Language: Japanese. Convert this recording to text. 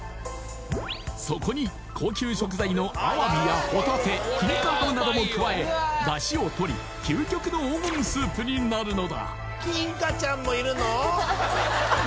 そこに高級食材のアワビやホタテ金華ハムなども加えだしをとり究極の黄金スープになるのだ